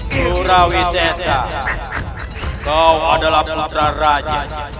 purawijaya kau adalah putra raja